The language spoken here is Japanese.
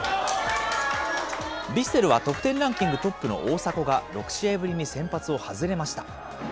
ヴィッセルは得点ランキングトップの大迫が６試合ぶりに先発を外れました。